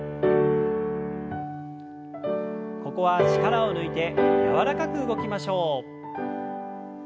ここは力を抜いて柔らかく動きましょう。